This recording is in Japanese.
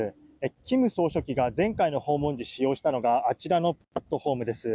金総書記が前回の訪問時使用したのがあちらのプラットホームです。